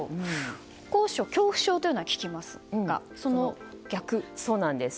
高所恐怖症というのは聞きますがそうです。